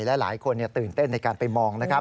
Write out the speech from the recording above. และหลายคนตื่นเต้นในการไปมองนะครับ